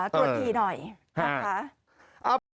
ตรวจดีหน่อย